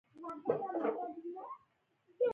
احمد چې تر پزه ونيسې؛ سا يې خېږي.